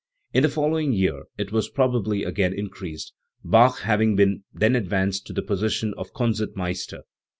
In the following year it was probably again increased, Bach having been then advanced to the position of Konzertmeister.